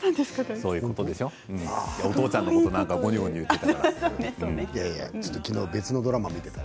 お父ちゃんのことなんかごにょごにょと言っていたから。